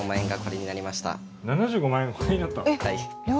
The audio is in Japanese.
７５万円がこれになった？